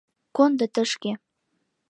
Кондо тышке!